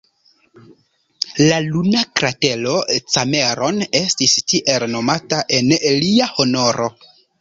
La luna kratero Cameron estis tiel nomata en lia honoro.